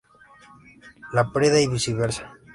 Laprida y viceversa.